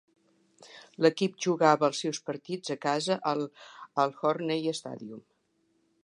L'equip jugava els seus partits a casa al Hornet Stadium.